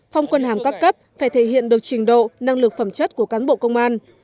phong quân hàm các cấp phải thể hiện được trình độ năng lực phẩm chất của cán bộ công an